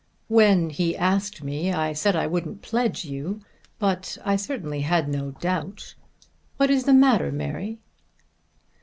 "When he asked me I said I wouldn't pledge you, but I certainly had no doubt. What is the matter, Mary?"